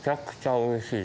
おいしい？